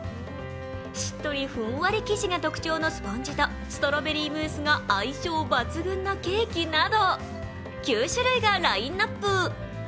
しっとりふんわり生地が特徴のスポンジとストロベリーソースが相性抜群のケーキなど９種類がラインナップ。